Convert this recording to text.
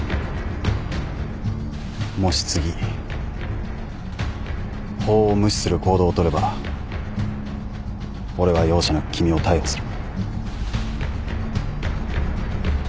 もし次法を無視する行動を取れば俺は容赦なく君を逮捕する。